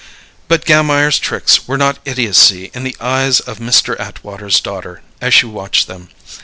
But Gammire's tricks were not idiocy in the eyes of Mr. Atwater's daughter, as she watched them.